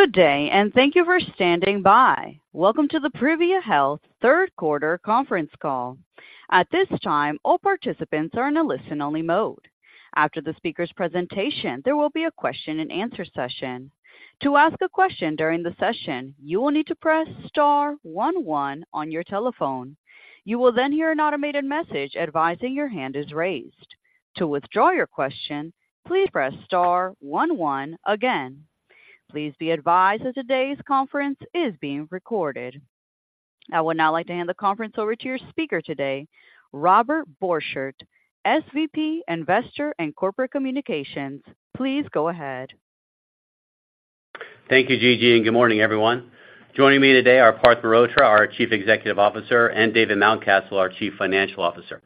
Good day, and thank you for standing by. Welcome to the Privia Health third quarter conference call. At this time, all participants are in a listen-only mode. After the speaker's presentation, there will be a question-and-answer session. To ask a question during the session, you will need to press star one one on your telephone. You will then hear an automated message advising your hand is raised. To withdraw your question, please press star one one again. Please be advised that today's conference is being recorded. I would now like to hand the conference over to your speaker today, Robert Borchert, SVP, Investor and Corporate Communications. Please go ahead. Thank you, Gigi, and good morning, everyone. Joining me today are Parth Mehrotra, our Chief Executive Officer, and David Mountcastle, our Chief Financial Officer.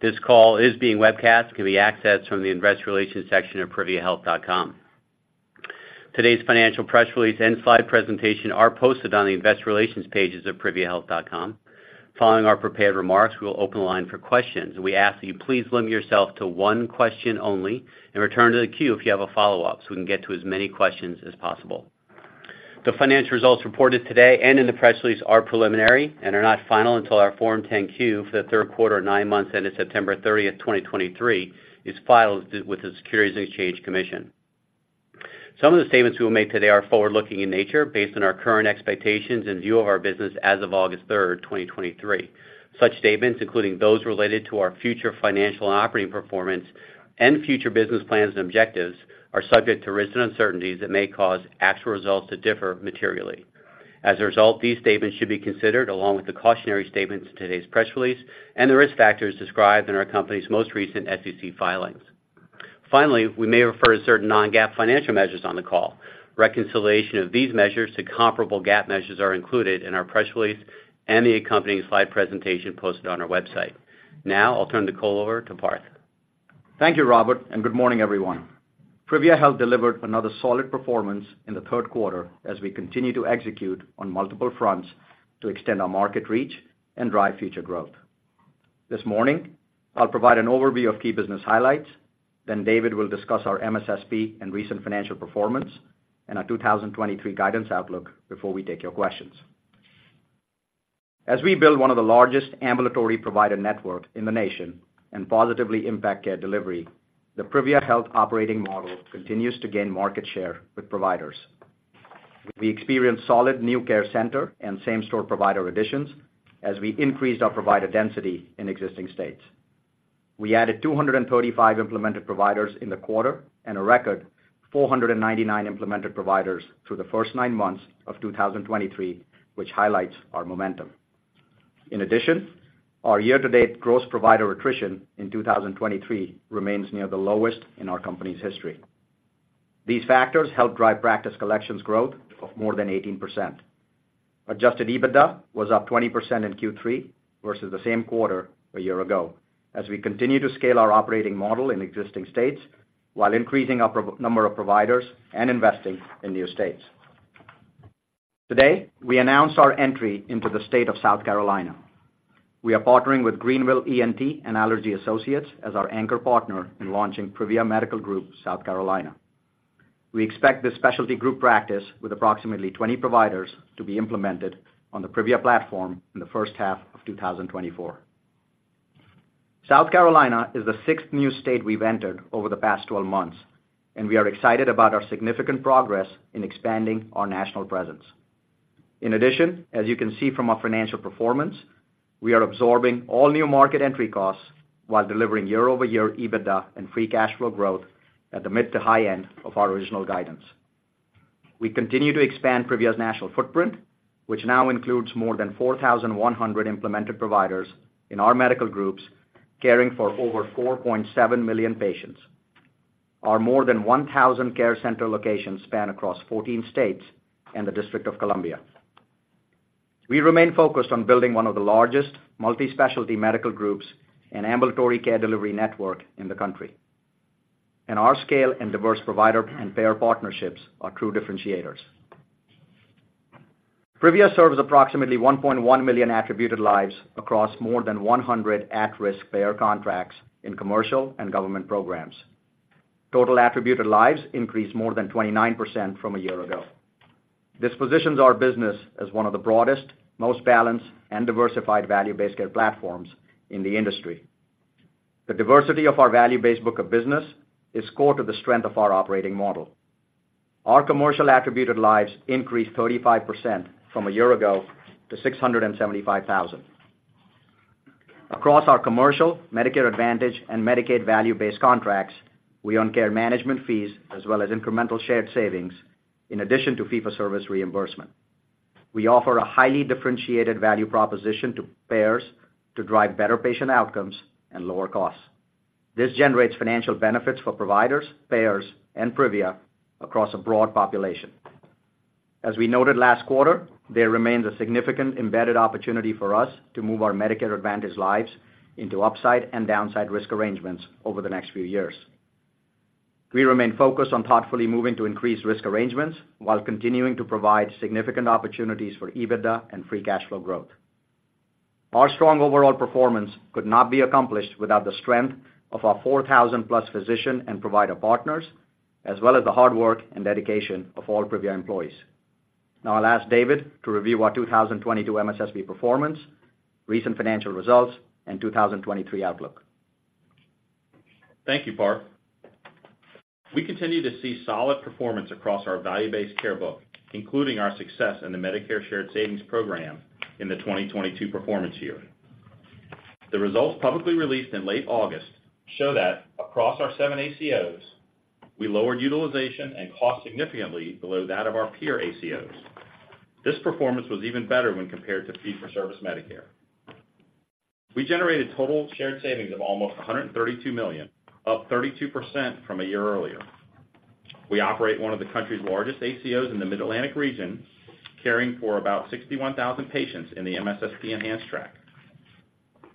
This call is being webcast and can be accessed from the investor relations section of priviahealth.com. Today's financial press release and slide presentation are posted on the investor relations pages of priviahealth.com. Following our prepared remarks, we will open the line for questions. We ask that you please limit yourself to one question only and return to the queue if you have a follow-up, so we can get to as many questions as possible. The financial results reported today and in the press release are preliminary and are not final until our Form 10-Q for the third quarter of nine months ending September 30, 2023 is filed with the Securities and Exchange Commission. Some of the statements we will make today are forward-looking in nature based on our current expectations and view of our business as of August 3, 2023. Such statements, including those related to our future financial and operating performance and future business plans and objectives, are subject to risks and uncertainties that may cause actual results to differ materially. As a result, these statements should be considered along with the cautionary statements in today's press release and the risk factors described in our company's most recent SEC filings. Finally, we may refer to certain non-GAAP financial measures on the call. Reconciliation of these measures to comparable GAAP measures are included in our press release and the accompanying slide presentation posted on our website. Now I'll turn the call over to Parth. Thank you, Robert, and good morning, everyone. Privia Health delivered another solid performance in the third quarter as we continue to execute on multiple fronts to extend our market reach and drive future growth. This morning, I'll provide an overview of key business highlights. Then David will discuss our MSSP and recent financial performance and our 2023 guidance outlook before we take your questions. As we build one of the largest ambulatory provider network in the nation and positively impact care delivery, the Privia Health operating model continues to gain market share with providers. We experienced solid new care center and same-store provider additions as we increased our provider density in existing states. We added 235 implemented providers in the quarter and a record 499 implemented providers through the first nine months of 2023, which highlights our momentum. In addition, our year-to-date gross provider attrition in 2023 remains near the lowest in our company's history. These factors helped drive practice collections growth of more than 18%. Adjusted EBITDA was up 20% in Q3 versus the same quarter a year ago, as we continue to scale our operating model in existing states while increasing our number of providers and investing in new states. Today, we announced our entry into the state of South Carolina. We are partnering with Greenville ENT and Allergy Associates as our anchor partner in launching Privia Medical Group South Carolina. We expect this specialty group practice, with approximately 20 providers, to be implemented on the Privia Platform in the first half of 2024. South Carolina is the sixth new state we've entered over the past 12 months, and we are excited about our significant progress in expanding our national presence. In addition, as you can see from our financial performance, we are absorbing all new market entry costs while delivering year-over-year EBITDA and free cash flow growth at the mid to high end of our original guidance. We continue to expand Privia's national footprint, which now includes more than 4,100 implemented providers in our medical groups, caring for over 4.7 million patients. Our more than 1,000 care center locations span across 14 states and the District of Columbia. We remain focused on building one of the largest multi-specialty medical groups and ambulatory care delivery network in the country, and our scale and diverse provider and payer partnerships are true differentiators. Privia serves approximately 1.1 million attributed lives across more than 100 at-risk payer contracts in commercial and government programs. Total attributed lives increased more than 29% from a year ago. This positions our business as one of the broadest, most balanced, and diversified value-based care platforms in the industry. The diversity of our value-based book of business is core to the strength of our operating model. Our commercial attributed lives increased 35% from a year ago to 675,000. Across our commercial, Medicare Advantage, and Medicaid value-based contracts, we own care management fees as well as incremental shared savings in addition to fee-for-service reimbursement. We offer a highly differentiated value proposition to payers to drive better patient outcomes and lower costs. This generates financial benefits for providers, payers, and Privia across a broad population. As we noted last quarter, there remains a significant embedded opportunity for us to move our Medicare Advantage lives into upside and downside risk arrangements over the next few years. We remain focused on thoughtfully moving to increase risk arrangements while continuing to provide significant opportunities for EBITDA and free cash flow growth. Our strong overall performance could not be accomplished without the strength of our 4,000+ physician and provider partners, as well as the hard work and dedication of all Privia employees. Now I'll ask David to review our 2022 MSSP performance, recent financial results, and 2023 outlook. Thank you, Parth. We continue to see solid performance across our value-based care book, including our success in the Medicare Shared Savings Program in the 2022 performance year. The results publicly released in late August show that across our seven ACOs, we lowered utilization and cost significantly below that of our peer ACOs. This performance was even better when compared to fee-for-service Medicare. We generated total shared savings of almost $132 million, up 32% from a year earlier. We operate one of the country's largest ACOs in the Mid-Atlantic region, caring for about 61,000 patients in the MSSP Enhanced Track.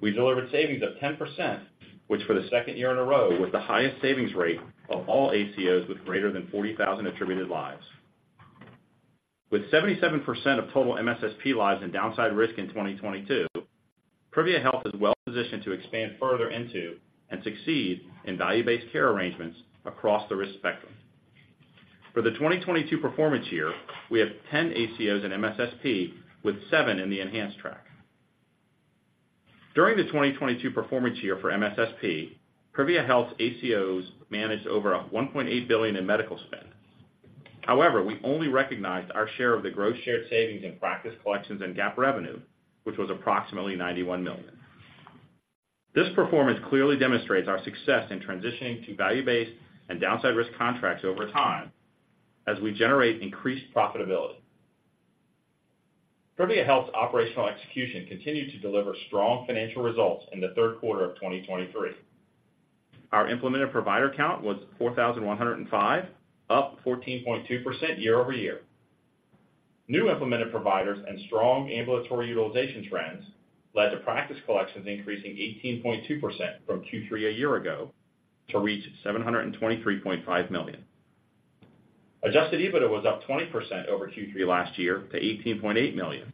We delivered savings of 10%, which for the second year in a row, was the highest savings rate of all ACOs with greater than 40,000 attributed lives. With 77% of total MSSP lives in downside risk in 2022, Privia Health is well positioned to expand further into and succeed in value-based care arrangements across the risk spectrum. For the 2022 performance year, we have 10 ACOs in MSSP, with 7 in the Enhanced Track. During the 2022 performance year for MSSP, Privia Health's ACOs managed over a $1.8 billion in medical spend. However, we only recognized our share of the gross shared savings in practice collections and GAAP revenue, which was approximately $91 million. This performance clearly demonstrates our success in transitioning to value-based and downside risk contracts over time as we generate increased profitability. Privia Health's operational execution continued to deliver strong financial results in the third quarter of 2023. Our implemented provider count was 4,105, up 14.2% year-over-year. New implemented providers and strong ambulatory utilization trends led to practice collections increasing 18.2% from Q3 a year ago to reach $723.5 million. Adjusted EBITDA was up 20% over Q3 last year to $18.8 million,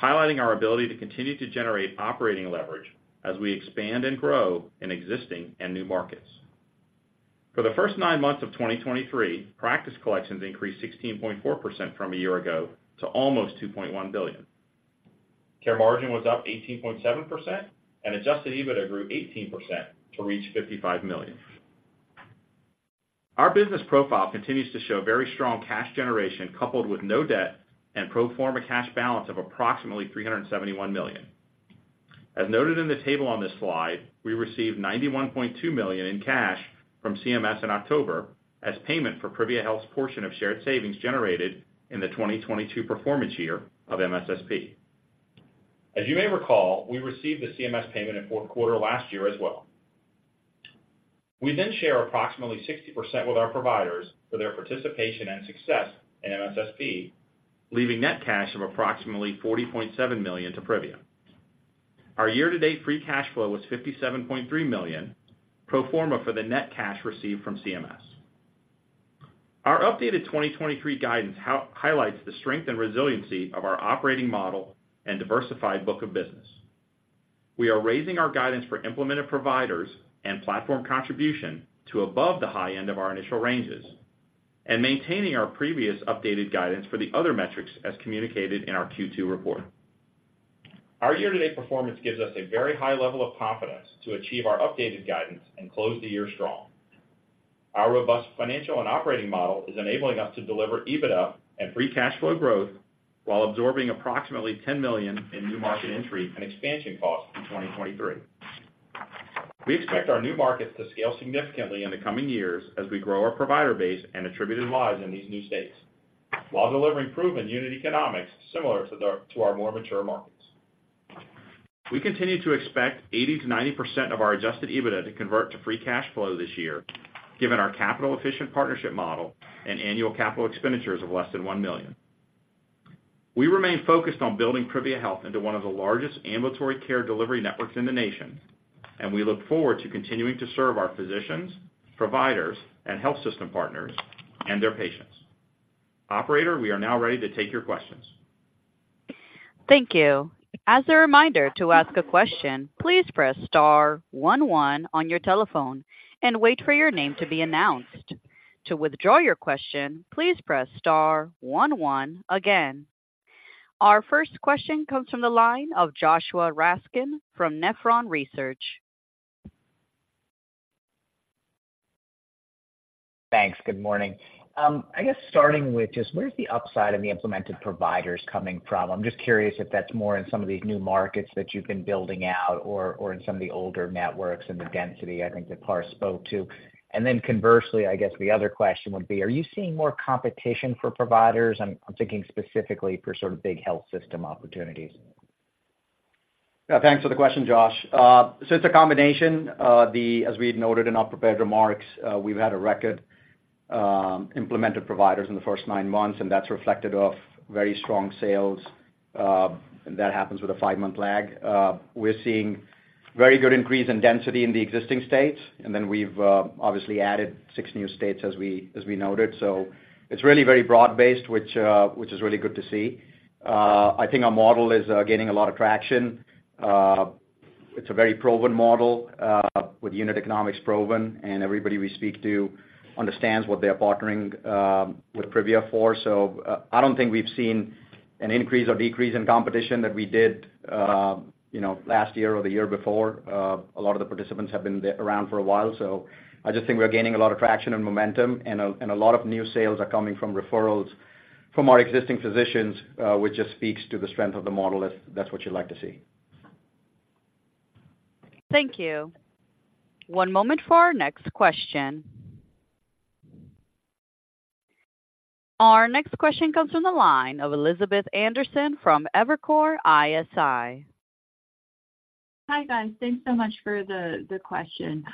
highlighting our ability to continue to generate operating leverage as we expand and grow in existing and new markets. For the first nine months of 2023, practice collections increased 16.4% from a year ago to almost $2.1 billion. Care Margin was up 18.7%, and adjusted EBITDA grew 18% to reach $55 million. Our business profile continues to show very strong cash generation, coupled with no debt and pro forma cash balance of approximately $371 million. As noted in the table on this slide, we received $91.2 million in cash from CMS in October as payment for Privia Health's portion of shared savings generated in the 2022 performance year of MSSP. As you may recall, we received the CMS payment in fourth quarter last year as well. We then share approximately 60% with our providers for their participation and success in MSSP, leaving net cash of approximately $40.7 million to Privia. Our year-to-date free cash flow was $57.3 million, pro forma for the net cash received from CMS. Our updated 2023 guidance highlights the strength and resiliency of our operating model and diversified book of business. We are raising our guidance for Implemented Providers and Platform Contribution to above the high end of our initial ranges and maintaining our previous updated guidance for the other metrics as communicated in our Q2 report. Our year-to-date performance gives us a very high level of confidence to achieve our updated guidance and close the year strong. Our robust financial and operating model is enabling us to deliver EBITDA and free cash flow growth while absorbing approximately $10 million in new market entry and expansion costs in 2023. We expect our new markets to scale significantly in the coming years as we grow our provider base and Attributed Lives in these new states, while delivering proven unit economics similar to to our more mature markets. We continue to expect 80%-90% of our adjusted EBITDA to convert to free cash flow this year, given our capital-efficient partnership model and annual capital expenditures of less than $1 million. We remain focused on building Privia Health into one of the largest ambulatory care delivery networks in the nation, and we look forward to continuing to serve our physicians, providers, and health system partners and their patients. Operator, we are now ready to take your questions. Thank you. As a reminder, to ask a question, please press star one, one on your telephone and wait for your name to be announced. To withdraw your question, please press star one, one again. Our first question comes from the line of Joshua Raskin from Nephron Research. Thanks. Good morning. I guess starting with just where's the upside of the implemented providers coming from? I'm just curious if that's more in some of these new markets that you've been building out or, or in some of the older networks and the density I think that Par spoke to. And then conversely, I guess the other question would be: Are you seeing more competition for providers? I'm, I'm thinking specifically for sort of big health system opportunities. Yeah, thanks for the question, Josh. So it's a combination. As we had noted in our prepared remarks, we've had a record implemented providers in the first nine months, and that's reflected off very strong sales, and that happens with a five-month lag. We're seeing very good increase in density in the existing states, and then we've obviously added six new states as we noted. So it's really very broad-based, which is really good to see. I think our model is gaining a lot of traction. It's a very proven model with unit economics proven, and everybody we speak to understands what they are partnering with Privia for. So I don't think we've seen an increase or decrease in competition that we did, you know, last year or the year before. A lot of the participants have been there around for a while, so I just think we're gaining a lot of traction and momentum, and a lot of new sales are coming from referrals from our existing physicians, which just speaks to the strength of the model. That's what you'd like to see. Thank you. One moment for our next question. Our next question comes from the line of Elizabeth Anderson from Evercore ISI. Hi, guys. Thanks so much for the question.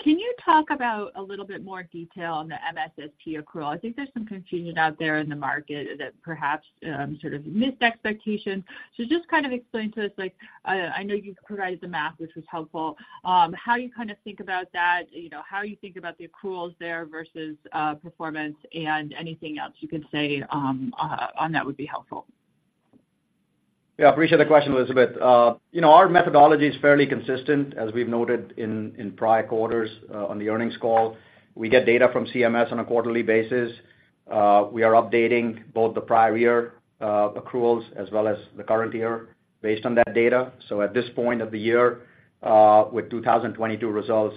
Can you talk about a little bit more detail on the MSSP accrual? I think there's some confusion out there in the market that perhaps sort of missed expectations. So just kind of explain to us, like, I know you've provided the math, which was helpful, how you kind of think about that, you know, how you think about the accruals there versus performance and anything else you could say on that would be helpful. Yeah, I appreciate the question, Elizabeth. You know, our methodology is fairly consistent. As we've noted in prior quarters on the earnings call. We get data from CMS on a quarterly basis. We are updating both the prior year accruals as well as the current year based on that data. So at this point of the year, with 2022 results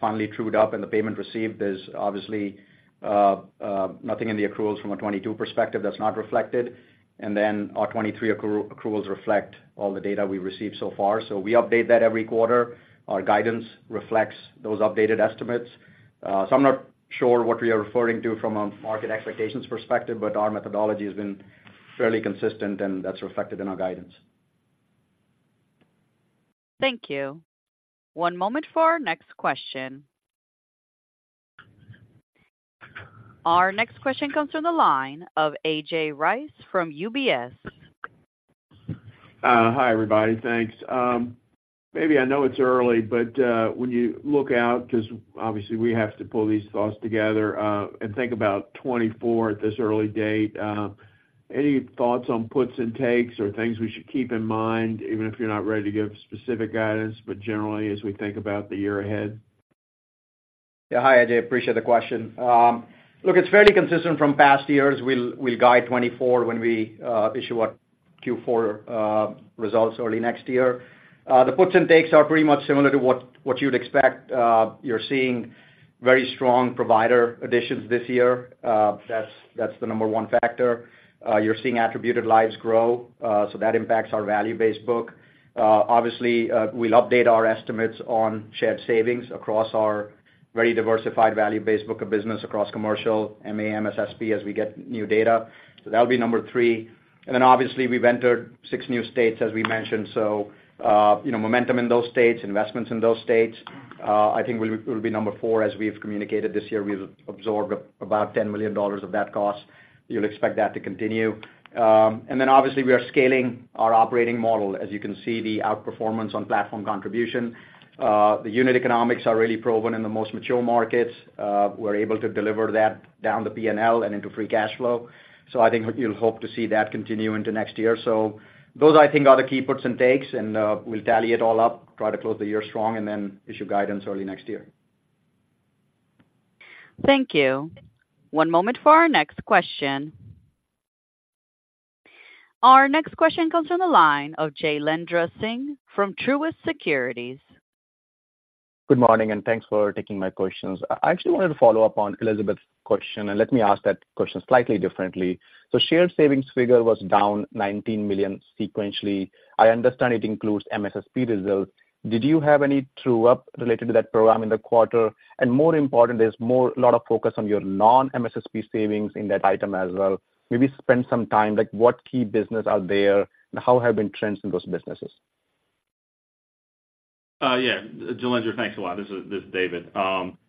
finally trued up and the payment received, there's obviously nothing in the accruals from a 2022 perspective that's not reflected, and then our 2023 accruals reflect all the data we've received so far. So we update that every quarter. Our guidance reflects those updated estimates. So I'm not sure what we are referring to from a market expectations perspective, but our methodology has been fairly consistent, and that's reflected in our guidance. Thank you. One moment for our next question. Our next question comes from the line of A.J. Rice from UBS. Hi, everybody. Thanks. Maybe I know it's early, but when you look out, 'cause obviously we have to pull these thoughts together, and think about 2024 at this early date, any thoughts on puts and takes or things we should keep in mind, even if you're not ready to give specific guidance, but generally, as we think about the year ahead? Yeah. Hi, A.J. Appreciate the question. Look, it's fairly consistent from past years. We'll guide 2024 when we issue our Q4 results early next year. The puts and takes are pretty much similar to what you'd expect. You're seeing very strong provider additions this year. That's the number one factor. You're seeing attributed lives grow, so that impacts our value-based book. Obviously, we'll update our estimates on shared savings across our very diversified value-based book of business across commercial, MA, MSSP, as we get new data. So that'll be number three. And then obviously, we've entered six new states, as we mentioned. So, you know, momentum in those states, investments in those states, I think will be number four. As we've communicated this year, we've absorbed about $10 million of that cost. You'll expect that to continue. And then obviously, we are scaling our operating model. As you can see, the outperformance on platform contribution. The unit economics are really proven in the most mature markets. We're able to deliver that down the PNL and into free cash flow. So I think you'll hope to see that continue into next year. So those, I think, are the key puts and takes, and, we'll tally it all up, try to close the year strong, and then issue guidance early next year. Thank you. One moment for our next question. Our next question comes from the line of Jailendra Singh from Truist Securities. Good morning, and thanks for taking my questions. I actually wanted to follow up on Elizabeth's question, and let me ask that question slightly differently. So shared savings figure was down $19 million sequentially. I understand it includes MSSP results. Did you have any true-up related to that program in the quarter? And more important, there's more, a lot of focus on your non-MSSP savings in that item as well. Maybe spend some time, like, what key business are there and how have been trends in those businesses? Yeah, Jalendra, thanks a lot. This is David.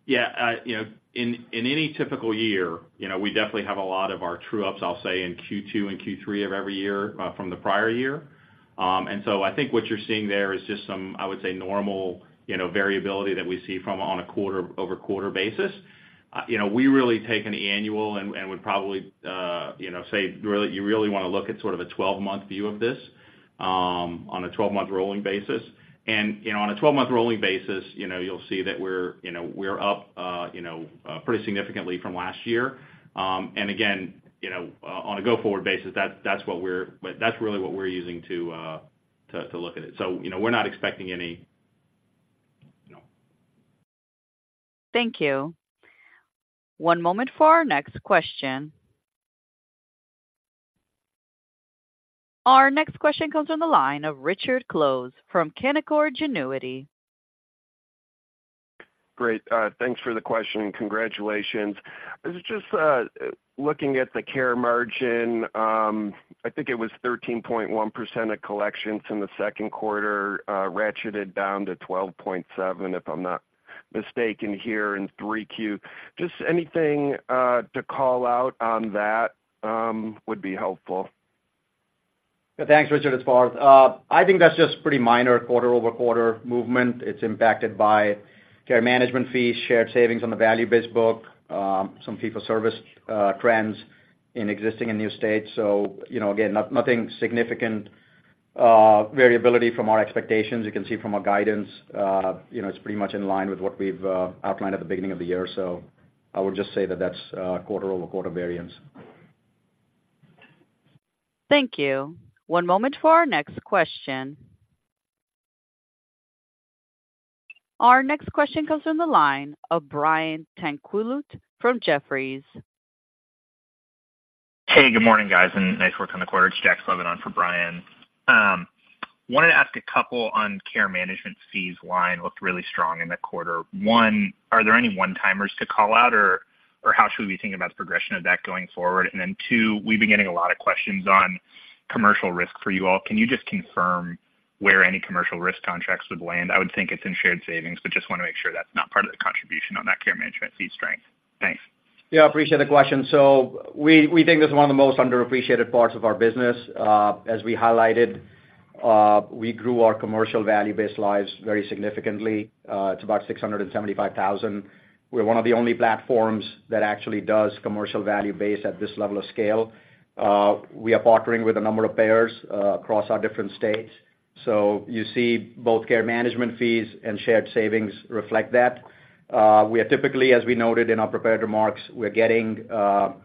Yeah, you know, in any typical year, you know, we definitely have a lot of our true-ups, I'll say, in Q2 and Q3 of every year, from the prior year. And so I think what you're seeing there is just some, I would say, normal, you know, variability that we see from on a quarter-over-quarter basis. You know, we really take an annual and would probably, you know, say, really, you really wanna look at sort of a 12-month view of this, on a 12-month rolling basis. And, you know, on a 12-month rolling basis, you know, you'll see that we're, you know, we're up, you know, pretty significantly from last year. And again, you know, on a go-forward basis, that's really what we're using to look at it. So, you know, we're not expecting any, you know... Thank you. One moment for our next question. Our next question comes from the line of Richard Close from Canaccord Genuity. Great. Thanks for the question, and congratulations. I was just looking at the Care Margin. I think it was 13.1% of collections in the second quarter, ratcheted down to 12.7, if I'm not-... mistake in here in 3Q. Just anything to call out on that would be helpful. Thanks, Richard, it's Parth. I think that's just pretty minor quarter-over-quarter movement. It's impacted by care management fees, shared savings on the value-based book, some fee-for-service trends in existing and new states. So, you know, again, nothing significant variability from our expectations. You can see from our guidance, you know, it's pretty much in line with what we've outlined at the beginning of the year. So I would just say that that's a quarter-over-quarter variance. Thank you. One moment for our next question. Our next question comes from the line of Brian Tanquilut from Jefferies. Hey, good morning, guys, and nice work on the quarter. It's Jack Senft for Brian. Wanted to ask a couple on care management fees line, looked really strong in the quarter. One, are there any one-timers to call out, or, or how should we be thinking about the progression of that going forward? And then, two, we've been getting a lot of questions on commercial risk for you all. Can you just confirm where any commercial risk contracts would land? I would think it's in shared savings, but just wanna make sure that's not part of the contribution on that care management fee strength. Thanks. Yeah, I appreciate the question. So we, we think this is one of the most underappreciated parts of our business. As we highlighted, we grew our commercial value-based lives very significantly. It's about 675,000. We're one of the only platforms that actually does commercial value-based at this level of scale. We are partnering with a number of payers across our different states. So you see both care management fees and shared savings reflect that. We are typically, as we noted in our prepared remarks, we're getting, you know,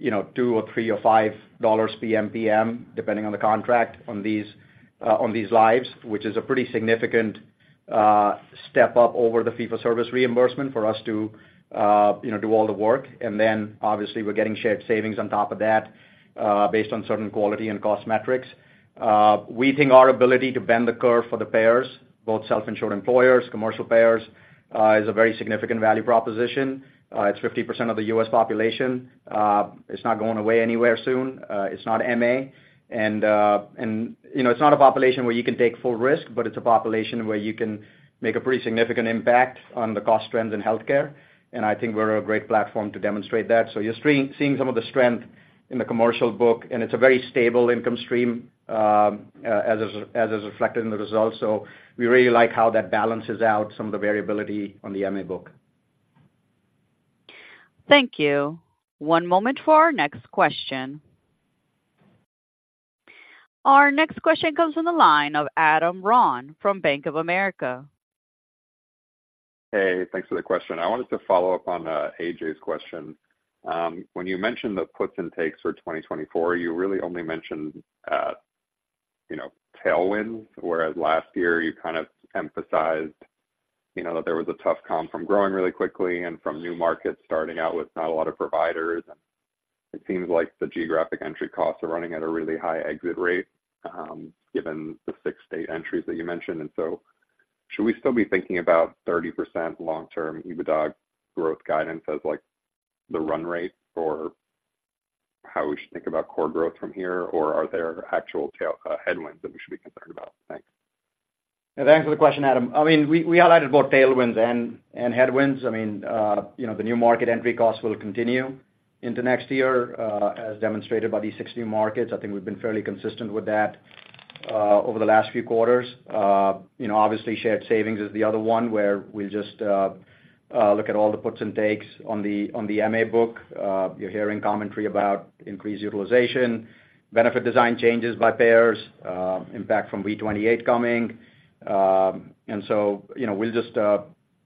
$2 or $3 or $5 PMPM, depending on the contract on these, on these lives, which is a pretty significant step up over the fee-for-service reimbursement for us to, you know, do all the work. Then, obviously, we're getting shared savings on top of that, based on certain quality and cost metrics. We think our ability to bend the curve for the payers, both self-insured employers, commercial payers, is a very significant value proposition. It's 50% of the U.S. population. It's not going away anywhere soon. It's not MA, and, you know, it's not a population where you can take full risk, but it's a population where you can make a pretty significant impact on the cost trends in healthcare, and I think we're a great platform to demonstrate that. So you're seeing some of the strength in the commercial book, and it's a very stable income stream, as is reflected in the results. So we really like how that balances out some of the variability on the MA book. Thank you. One moment for our next question. Our next question comes from the line of Adam Ron from Bank of America. Hey, thanks for the question. I wanted to follow up on A.J.'s question. When you mentioned the puts and takes for 2024, you really only mentioned, you know, tailwinds, whereas last year, you kind of emphasized, you know, that there was a tough comp from growing really quickly and from new markets starting out with not a lot of providers. And it seems like the geographic entry costs are running at a really high exit rate, given the 6 state entries that you mentioned. And so should we still be thinking about 30% long-term EBITDA growth guidance as, like, the run rate for how we should think about core growth from here? Or are there actual headwinds that we should be concerned about? Thanks. Thanks for the question, Adam. I mean, we highlighted both tailwinds and headwinds. I mean, you know, the new market entry costs will continue into next year, as demonstrated by these six new markets. I think we've been fairly consistent with that, over the last few quarters. You know, obviously, shared savings is the other one, where we just look at all the puts and takes on the MA book. You're hearing commentary about increased utilization, benefit design changes by payers, impact from V28 coming. And so, you know, we'll just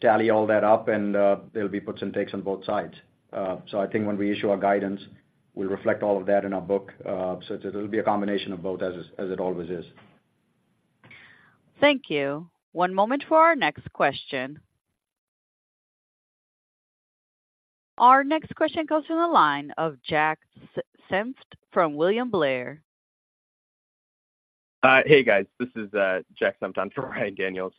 tally all that up, and there'll be puts and takes on both sides. So I think when we issue our guidance, we'll reflect all of that in our book. So, it'll be a combination of both, as it always is. Thank you. One moment for our next question. Our next question comes from the line of Jack Senft from William Blair. Hey, guys, this is Jack Senft on for Ryan Daniels.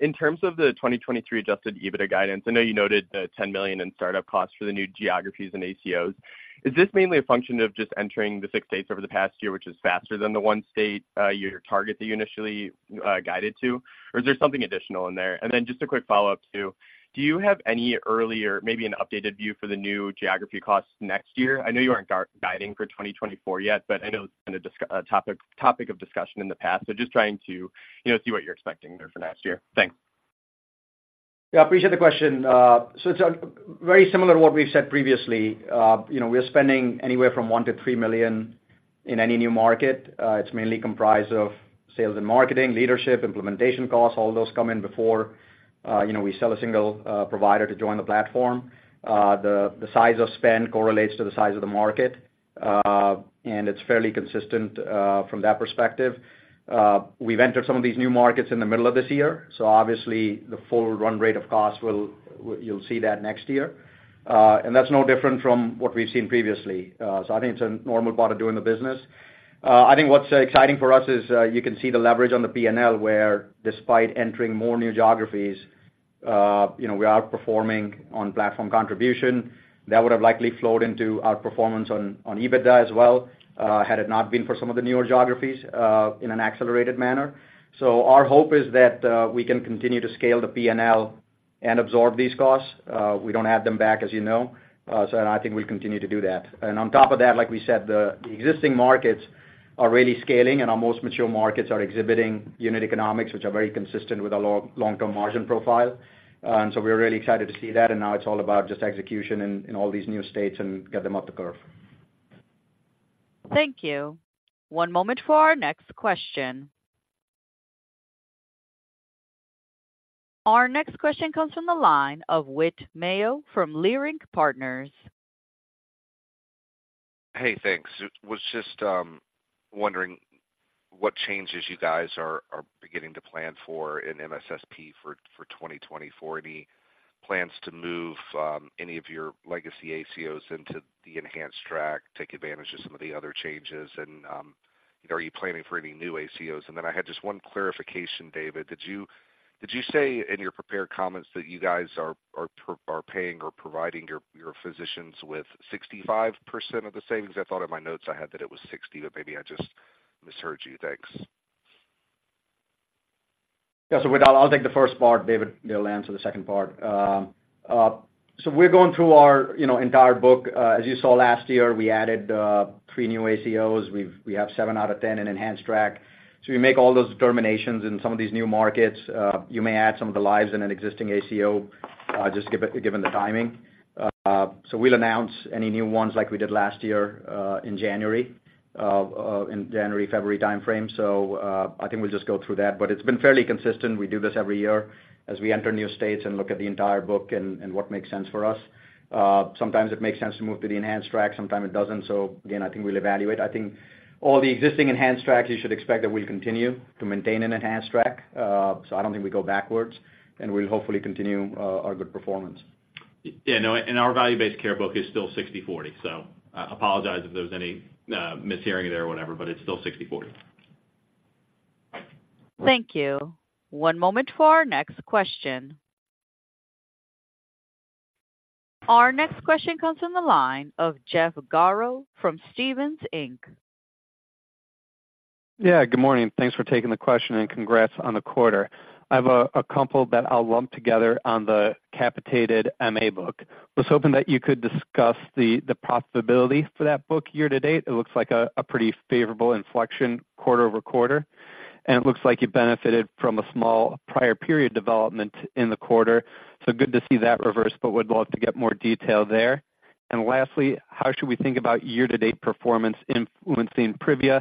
In terms of the 2023 adjusted EBITDA guidance, I know you noted the $10 million in start-up costs for the new geographies and ACOs. Is this mainly a function of just entering the six states over the past year, which is faster than the one state your target that you initially guided to? Or is there something additional in there? And then just a quick follow-up, too. Do you have any early or maybe an updated view for the new geography costs next year? I know you aren't guiding for 2024 yet, but I know it's been a topic of discussion in the past, so just trying to, you know, see what you're expecting there for next year. Thanks. Yeah, appreciate the question. So it's very similar to what we've said previously. You know, we are spending anywhere from $1 million-$3 million in any new market. It's mainly comprised of sales and marketing, leadership, implementation costs. All those come in before, you know, we sell a single provider to join the platform. The size of spend correlates to the size of the market, and it's fairly consistent from that perspective. We've entered some of these new markets in the middle of this year, so obviously, the full run rate of costs will-- you'll see that next year. And that's no different from what we've seen previously. So I think it's a normal part of doing the business. I think what's exciting for us is, you can see the leverage on the PNL, where despite entering more new geographies, you know, we are performing on Platform Contribution. That would have likely flowed into our performance on, on EBITDA as well, had it not been for some of the newer geographies, in an accelerated manner. So our hope is that, we can continue to scale the PNL... and absorb these costs. We don't add them back, as you know, so and I think we'll continue to do that. And on top of that, like we said, the, the existing markets are really scaling, and our most mature markets are exhibiting unit economics, which are very consistent with our long, long-term margin profile. And so we're really excited to see that, and now it's all about just execution in all these new states and get them up the curve. Thank you. One moment for our next question. Our next question comes from the line of Whit Mayo from Leerink Partners. Hey, thanks. Was just wondering what changes you guys are beginning to plan for in MSSP for 2024. Any plans to move any of your legacy ACOs into the enhanced track, take advantage of some of the other changes? And are you planning for any new ACOs? And then I had just one clarification, David. Did you say in your prepared comments that you guys are paying or providing your physicians with 65% of the savings? I thought in my notes I had that it was 60%, but maybe I just misheard you. Thanks. Yeah, so Whit, I'll take the first part. David will answer the second part. So we're going through our, you know, entire book. As you saw last year, we added 3 new ACOs. We have 7 out of 10 in enhanced track. So we make all those determinations in some of these new markets. You may add some of the lives in an existing ACO, just given the timing. So we'll announce any new ones like we did last year, in January, in January, February time frame. So I think we'll just go through that. But it's been fairly consistent. We do this every year as we enter new states and look at the entire book and what makes sense for us. Sometimes it makes sense to move to the enhanced track, sometimes it doesn't. So again, I think we'll evaluate. I think all the existing Enhanced Tracks, you should expect that we'll continue to maintain an Enhanced Track. So I don't think we go backwards, and we'll hopefully continue, our good performance. Yeah, no, and our Value-Based Care book is still 60/40. So, apologize if there was any mishearing there or whatever, but it's still 60/40. Thank you. One moment for our next question. Our next question comes from the line of Jeff Garro from Stephens, Inc. Yeah, good morning. Thanks for taking the question, and congrats on the quarter. I have a couple that I'll lump together on the capitated MA book. I was hoping that you could discuss the profitability for that book year-to-date. It looks like a pretty favorable inflection quarter-over-quarter, and it looks like you benefited from a small prior period development in the quarter. So good to see that reverse, but would love to get more detail there. And lastly, how should we think about year-to-date performance influencing Privia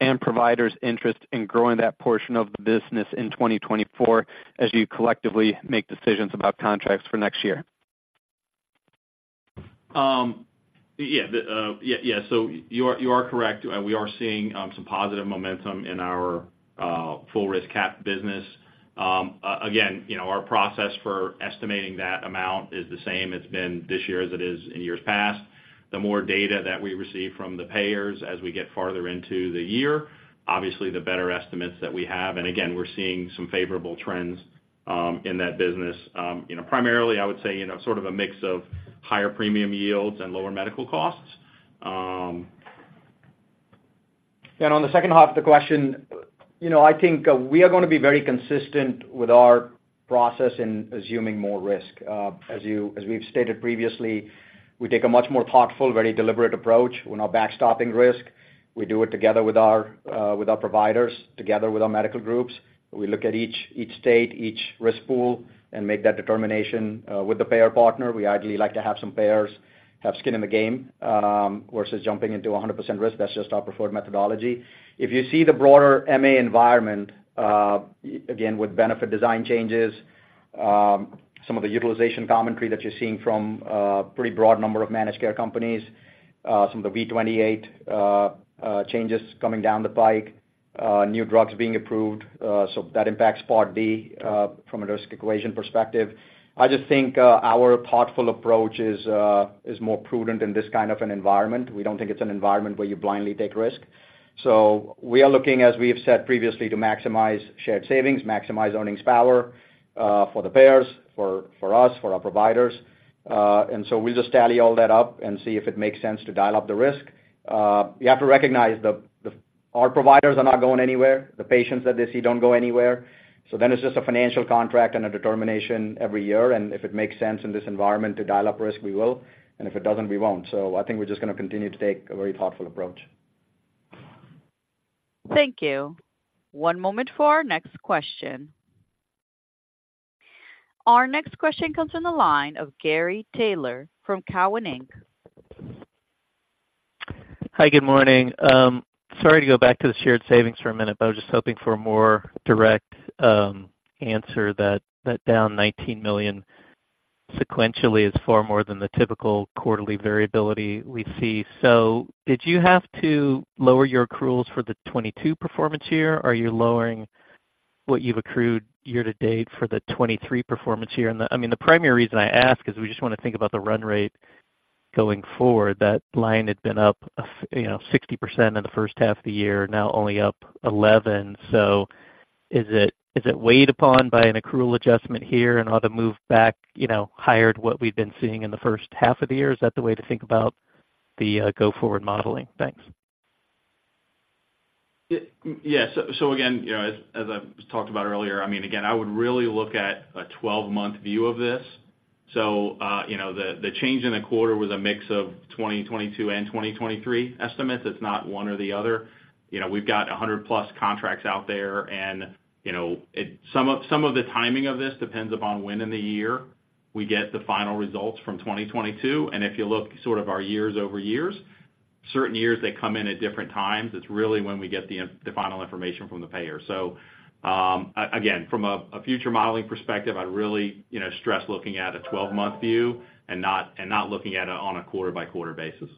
and providers' interest in growing that portion of the business in 2024, as you collectively make decisions about contracts for next year? Yeah, yeah. So you are, you are correct. We are seeing some positive momentum in our full risk cap business. Again, you know, our process for estimating that amount is the same as been this year as it is in years past. The more data that we receive from the payers as we get farther into the year, obviously, the better estimates that we have, and again, we're seeing some favorable trends in that business. You know, primarily, I would say, you know, sort of a mix of higher premium yields and lower medical costs. On the second half of the question, you know, I think we are gonna be very consistent with our process in assuming more risk. As you - as we've stated previously, we take a much more thoughtful, very deliberate approach. We're not backstopping risk. We do it together with our, with our providers, together with our medical groups. We look at each, each state, each risk pool, and make that determination, with the payer partner. We ideally like to have some payers, have skin in the game, versus jumping into 100% risk. That's just our preferred methodology. If you see the broader MA environment, again, with benefit design changes, some of the utilization commentary that you're seeing from a pretty broad number of managed care companies, some of the V28 changes coming down the pike, new drugs being approved, so that impacts Part D, from a risk equation perspective. I just think our thoughtful approach is more prudent in this kind of an environment. We don't think it's an environment where you blindly take risk. So we are looking, as we have said previously, to maximize shared savings, maximize earnings power, for the payers, for us, for our providers. And so we just tally all that up and see if it makes sense to dial up the risk. You have to recognize the our providers are not going anywhere. The patients that they see don't go anywhere. So then it's just a financial contract and a determination every year, and if it makes sense in this environment to dial up risk, we will, and if it doesn't, we won't. So I think we're just gonna continue to take a very thoughtful approach. Thank you. One moment for our next question. Our next question comes from the line of Gary Taylor from Cowen, Inc. Hi, good morning. Sorry to go back to the shared savings for a minute, but I was just hoping for a more direct answer that down $19 million sequentially is far more than the typical quarterly variability we see. So did you have to lower your accruals for the 2022 performance year, or are you lowering what you've accrued year to date for the 2023 performance year? And I mean, the primary reason I ask is we just want to think about the run rate going forward. That line had been up, you know, 60% in the first half of the year, now only up 11%. So is it weighed upon by an accrual adjustment here and ought to move back, you know, higher than what we've been seeing in the first half of the year? Is that the way to think about the go-forward modeling? Thanks.... Yes. So again, you know, as I've talked about earlier, I mean, again, I would really look at a 12-month view of this. So, you know, the change in the quarter was a mix of 2022 and 2023 estimates. It's not one or the other. You know, we've got 100+ contracts out there, and, you know, some of the timing of this depends upon when in the year we get the final results from 2022. And if you look sort of our year-over-year, certain years, they come in at different times. It's really when we get the final information from the payer. So, again, from a future modeling perspective, I'd really, you know, stress looking at a 12-month view and not looking at it on a quarter-by-quarter basis.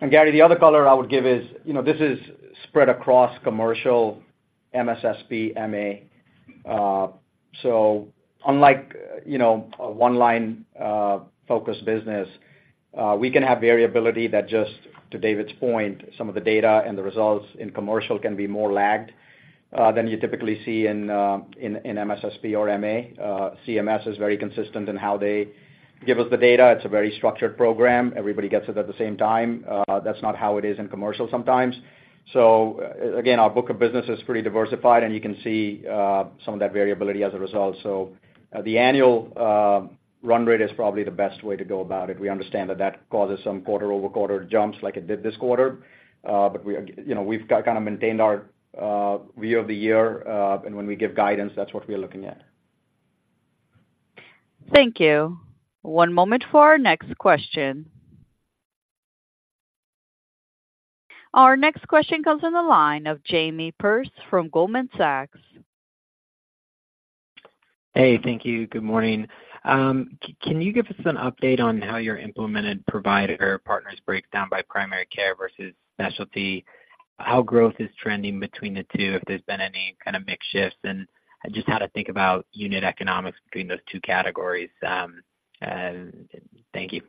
And Gary, the other color I would give is, you know, this is spread across commercial MSSP, MA. So unlike, you know, a one-line, focused business, we can have variability that just, to David's point, some of the data and the results in commercial can be more lagged, than you typically see in, in, in MSSP or MA. CMS is very consistent in how they give us the data. It's a very structured program. Everybody gets it at the same time. That's not how it is in commercial sometimes. So again, our book of business is pretty diversified, and you can see, some of that variability as a result. So, the annual, run rate is probably the best way to go about it. We understand that that causes some quarter-over-quarter jumps like it did this quarter. But we, you know, we've kind of maintained our view of the year, and when we give guidance, that's what we are looking at. Thank you. One moment for our next question. Our next question comes on the line of Jamie Perse from Goldman Sachs. Hey, thank you. Good morning. Can you give us an update on how your implemented provider partners break down by primary care versus specialty? How growth is trending between the two, if there's been any kind of mix shifts, and just how to think about unit economics between those two categories? And thank you.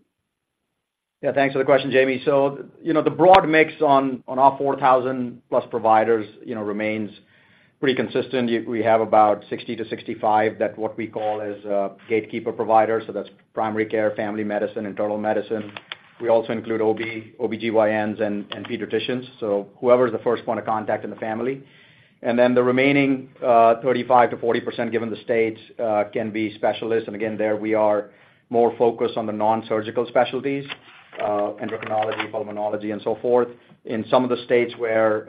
Yeah, thanks for the question, Jamie. So, you know, the broad mix on our 4,000+ providers, you know, remains pretty consistent. We have about 60-65 that's what we call gatekeeper providers, so that's primary care, family medicine, internal medicine. We also include OB, OBGYNs and pediatricians, so whoever's the first point of contact in the family. And then the remaining 35%-40%, given the state, can be specialists. And again, there we are more focused on the non-surgical specialties, endocrinology, pulmonology, and so forth. In some of the states where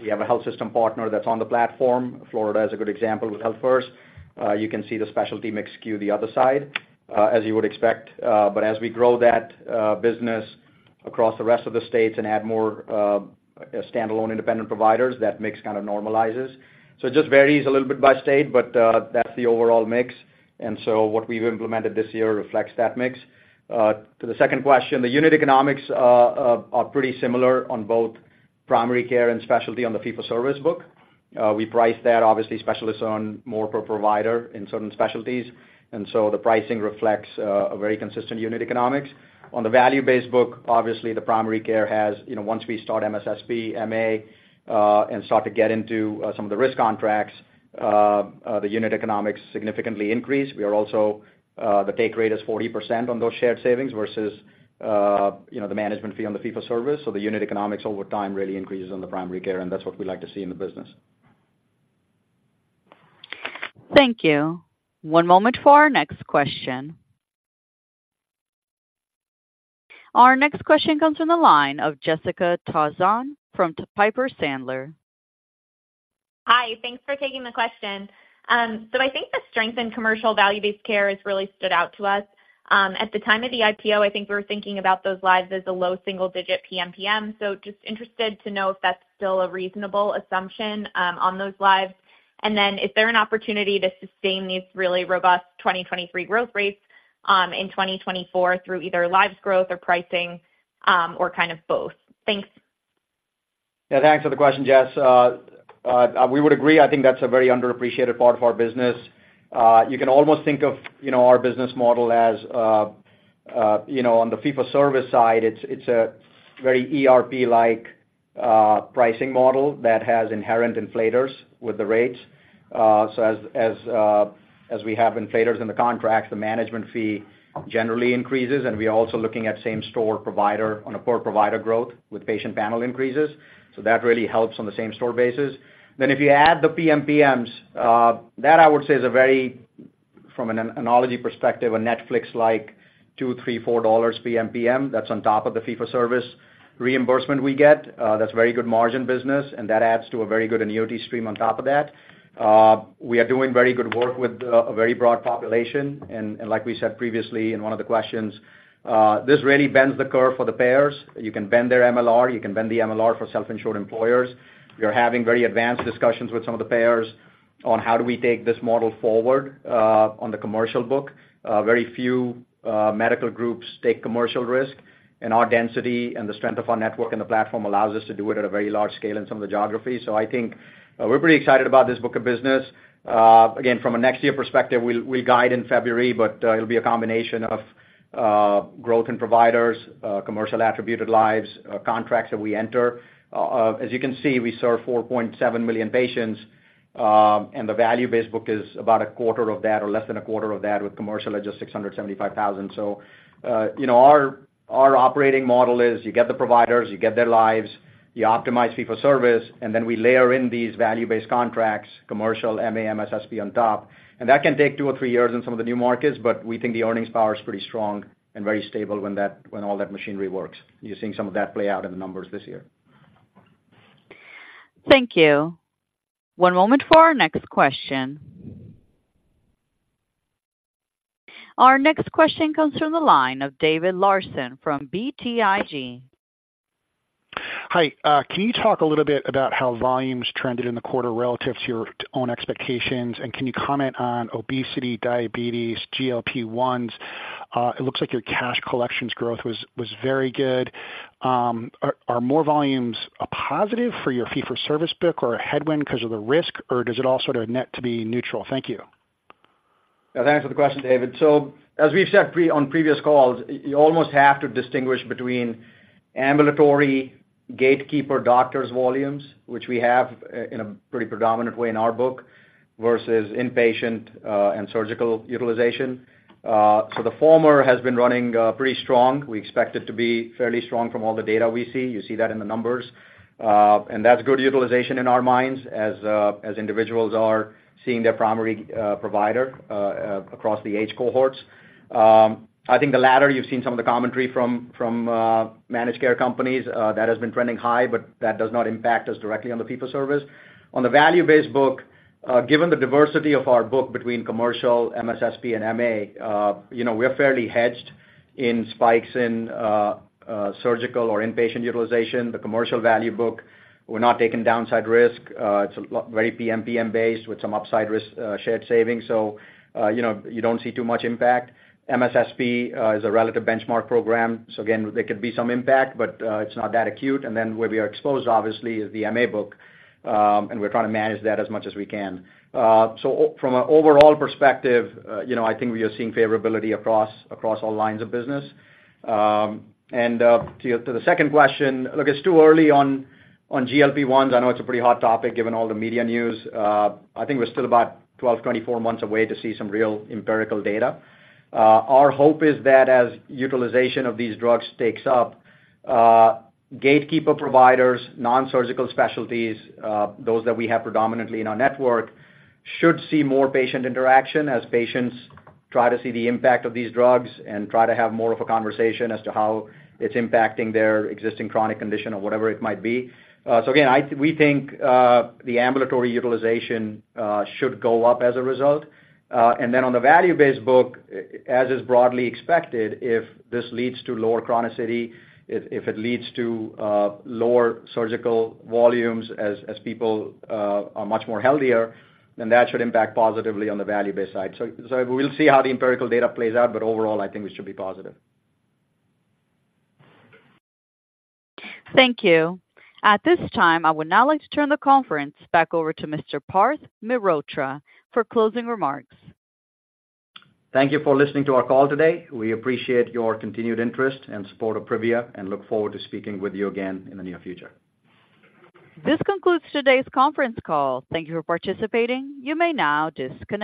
we have a health system partner that's on the platform, Florida is a good example with Health First, you can see the specialty mix skew the other side, as you would expect. But as we grow that business across the rest of the states and add more standalone independent providers, that mix kind of normalizes. So it just varies a little bit by state, but that's the overall mix. And so what we've implemented this year reflects that mix. To the second question, the unit economics are pretty similar on both primary care and specialty on the fee-for-service book. We price that, obviously, specialists on more per provider in certain specialties, and so the pricing reflects a very consistent unit economics. On the value-based book, obviously, the primary care has, you know, once we start MSSP, MA, and start to get into some of the risk contracts, the unit economics significantly increase. We are also, the take rate is 40% on those shared savings versus, you know, the management fee on the fee-for-service. So the unit economics over time really increases on the primary care, and that's what we like to see in the business. Thank you. One moment for our next question. Our next question comes from the line of Jessica Tassan from Piper Sandler. Hi, thanks for taking the question. So I think the strength in commercial value-based care has really stood out to us. At the time of the IPO, I think we were thinking about those lives as a low single digit PMPM. So just interested to know if that's still a reasonable assumption on those lives. And then is there an opportunity to sustain these really robust 2023 growth rates in 2024 through either lives growth or pricing or kind of both? Thanks. Yeah, thanks for the question, Jess. We would agree, I think that's a very underappreciated part of our business. You can almost think of, you know, our business model as, you know, on the fee-for-service side, it's a very ERP-like pricing model that has inherent inflators with the rates. So as we have inflators in the contracts, the management fee generally increases, and we are also looking at same store provider on a per provider growth with patient panel increases. So that really helps on the same store basis. Then if you add the PMPMs, that I would say is a very, from an analogy perspective, a Netflix-like $2, $3, $4 PMPM, that's on top of the fee-for-service reimbursement we get. That's very good margin business, and that adds to a very good annuity stream on top of that. We are doing very good work with a very broad population, and, and like we said previously in one of the questions, this really bends the curve for the payers. You can bend their MLR, you can bend the MLR for self-insured employers. We're having very advanced discussions with some of the payers on how do we take this model forward, on the commercial book. Very few, medical groups take commercial risk, and our density and the strength of our network and the platform allows us to do it at a very large scale in some of the geographies. So I think, we're pretty excited about this book of business. Again, from a next year perspective, we'll guide in February, but it'll be a combination of growth in providers, commercial attributed lives, contracts that we enter. As you can see, we serve 4.7 million patients, and the value-based book is about a quarter of that, or less than a quarter of that, with commercial at just 675,000. So, you know, our operating model is: you get the providers, you get their lives. You optimize fee-for-service, and then we layer in these value-based contracts, commercial, MA, MSSP on top. And that can take 2 or 3 years in some of the new markets, but we think the earnings power is pretty strong and very stable when all that machinery works. You're seeing some of that play out in the numbers this year. Thank you. One moment for our next question. Our next question comes from the line of David Larson from BTIG. Hi, can you talk a little bit about how volumes trended in the quarter relative to your own expectations? And can you comment on obesity, diabetes, GLP-1s? It looks like your cash collections growth was, was very good. Are, are more volumes a positive for your fee-for-service book or a headwind because of the risk, or does it all sort of net to be neutral? Thank you. Thanks for the question, David. So as we've said on previous calls, you almost have to distinguish between ambulatory gatekeeper doctors volumes, which we have in a pretty predominant way in our book, versus inpatient and surgical utilization. So the former has been running pretty strong. We expect it to be fairly strong from all the data we see. You see that in the numbers. And that's good utilization in our minds as individuals are seeing their primary provider across the age cohorts. I think the latter, you've seen some of the commentary from managed care companies that has been trending high, but that does not impact us directly on the fee-for-service. On the value-based book, given the diversity of our book between commercial, MSSP, and MA, you know, we're fairly hedged in spikes in surgical or inpatient utilization. The commercial value book, we're not taking downside risk. It's a very PMPM-based with some upside risk, shared savings. So, you know, you don't see too much impact. MSSP is a relative benchmark program, so again, there could be some impact, but it's not that acute. And then where we are exposed, obviously, is the MA book, and we're trying to manage that as much as we can. So from an overall perspective, you know, I think we are seeing favorability across all lines of business. And to your- to the second question, look, it's too early on GLP-1s. I know it's a pretty hot topic, given all the media news. I think we're still about 12-24 months away to see some real empirical data. Our hope is that as utilization of these drugs takes up, gatekeeper providers, nonsurgical specialties, those that we have predominantly in our network, should see more patient interaction as patients try to see the impact of these drugs and try to have more of a conversation as to how it's impacting their existing chronic condition or whatever it might be. So again, we think the ambulatory utilization should go up as a result. And then on the value-based book, as is broadly expected, if this leads to lower chronicity, if it leads to lower surgical volumes as people are much more healthier, then that should impact positively on the value-based side. So we'll see how the empirical data plays out, but overall, I think we should be positive. Thank you. At this time, I would now like to turn the conference back over to Mr. Parth Mehrotra for closing remarks. Thank you for listening to our call today. We appreciate your continued interest and support of Privia, and look forward to speaking with you again in the near future. This concludes today's conference call. Thank you for participating. You may now disconnect.